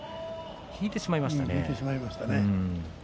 引いてしまいましたね。